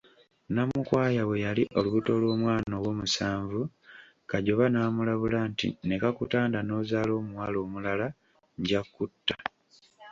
Namukwaya bwe yali olubuto lw'omwana owomusanvu, Kajoba namulabula nti nekakutanda n'ozaala omuwala omulala, nja kutta.